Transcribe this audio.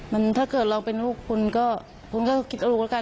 มันถ้าเกิดเราเป็นลูกคุณก็คิดเอาลูกกัน